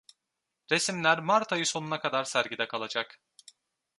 Resimler Mart ayı sonuna kadar sergide kalacak.